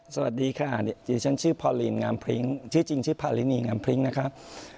สวัสดีค่ะชื่อฉันชื่อพอลีนงามพริ้งชื่อจริงชื่อพารินีงามพริ้งนะครับ